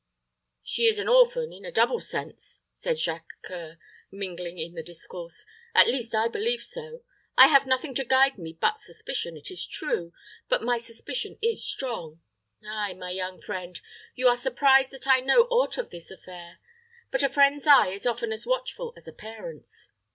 "She is an orphan in a double sense," said Jacques C[oe]ur, mingling in the discourse; "at least I believe so. I have nothing to guide me but suspicion, it is true; but my suspicion is strong. Ay, my young friend: you are surprised that I know aught of this affair; but a friend's eye is often as watchful as a parent's.